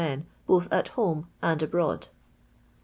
men, both at home and abroad."